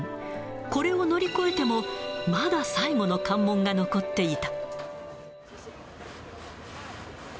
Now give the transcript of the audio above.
これを乗り越えても、まだ最後の関門が残っていた。